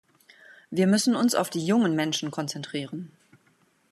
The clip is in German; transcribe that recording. Wir müssen uns auf die jungen Menschen konzentrieren.